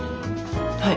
はい。